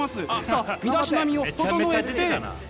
さあ身だしなみを整えて。